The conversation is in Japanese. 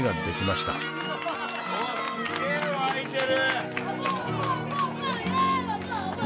すげえ沸いてる！